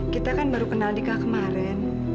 kita kan baru kenal nikah kemarin